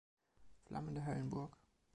Flammende Höllenburg!